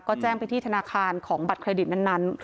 ก็แจ้งไปที่ธนาคารของบัตรเครดิตนั้น